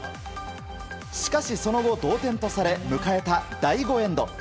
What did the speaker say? しかしその後、同点とされ迎えた第５エンド。